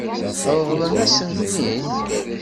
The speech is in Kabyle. Ṛeḍlent-as-ten-id?